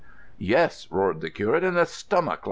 "Yes," roared the curate. "In the stomach.